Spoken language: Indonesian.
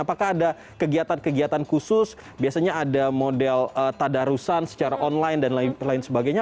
apakah ada kegiatan kegiatan khusus biasanya ada model tadarusan secara online dan lain sebagainya